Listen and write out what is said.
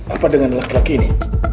apa dengan laki laki ini